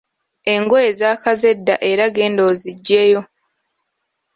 Engoye zaakaze dda era genda oziggyeyo.